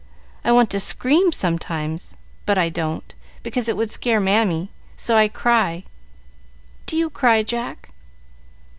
I want to scream sometimes, but I don't, because it would scare Mammy, so I cry. Do you cry, Jack?"